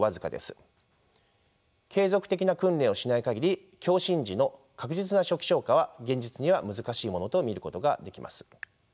継続的な訓練をしない限り強震時の確実な初期消火は現実には難しいものと見ることができます。